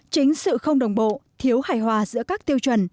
chính sự không đồng bộ thiếu hài hòa giữa các tiêu chuẩn